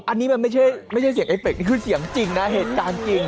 อันนี้มันไม่ใช่เสียงเอเป็กนี่คือเสียงจริงนะเหตุการณ์จริง